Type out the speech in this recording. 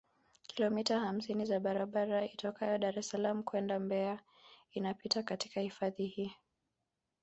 Kilomita hamsini za barabara itokayo Dar es Salaam kwenda Mbeya inapita katika hifadhi hii